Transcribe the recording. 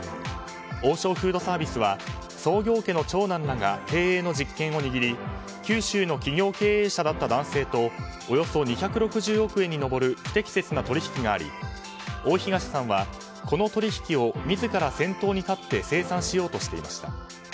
王将フードサービスは創業家の長男らが経営の実権を握り九州の企業経営者だった男性とおよそ２６０億円に上る不適切な取引があり大東さんは、この取引を自ら先頭に立って清算しようとしていました。